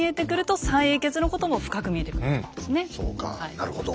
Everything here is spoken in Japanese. なるほど。